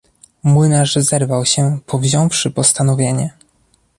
Młynarz zerwał się, powziąwszy postanowienie.